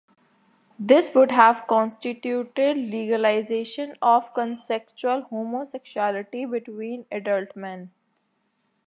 This would have constituted legalization of consensual homosexuality between adult men.